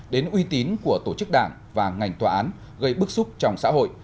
đến uy tín của tổ chức đảng và ngành tòa án gây bức xúc trong xã hội